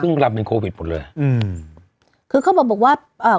ซึ่งลำเป็นโควิดหมดเลยอืมคือเขาบอกบอกว่าอ่า